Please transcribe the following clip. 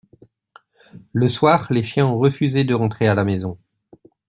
Le soir, les chiens ont refusé de rentrer à la maison.